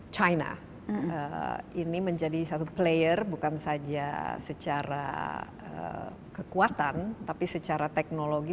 china ini menjadi satu player bukan saja secara kekuatan tapi secara teknologi